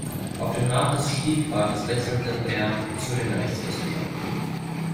Auf den Rat des Stiefvaters wechselte er zu den Rechtswissenschaften.